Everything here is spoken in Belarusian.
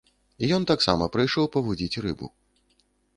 Ён таксама прыйшоў павудзіць рыбу.